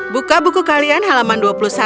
buka buku kalian halaman dua puluh satu